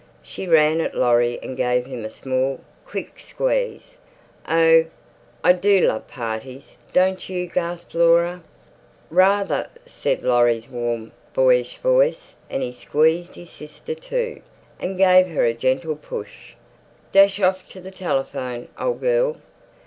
She ran at Laurie and gave him a small, quick squeeze. "Oh, I do love parties, don't you?" gasped Laura. "Ra ther," said Laurie's warm, boyish voice, and he squeezed his sister too, and gave her a gentle push. "Dash off to the telephone, old girl."